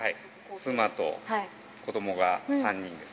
妻と子どもが３人です。